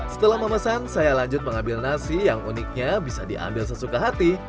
setelah memesan saya lanjut mengambil nasi yang uniknya bisa diambil sesuka hati